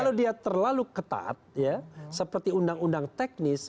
kalau dia terlalu ketat seperti undang undang teknis